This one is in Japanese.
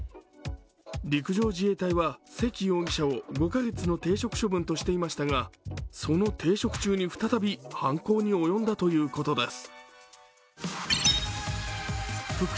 陸上自衛隊は、関容疑者を５カ月の停職処分としていましたがその停職中に再び犯行に及んだということです。